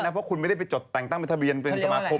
เพราะคุณไม่ได้ไปจดแต่งตั้งเป็นทะเบียนเป็นสมาคม